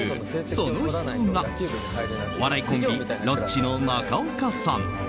その人がお笑いコンビ・ロッチの中岡さん。